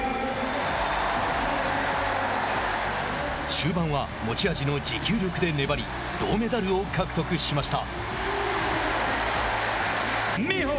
終盤は持ち味の持久力で粘り銅メダルを獲得しました。